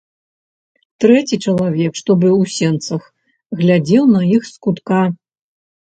Трэці чалавек, што быў у сенцах, глядзеў на іх з кутка.